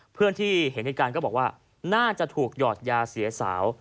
เพื่อนที่เห็นเหตุการณ์ก็บอกว่าน่าจะถูกหยอดยาเสียสาว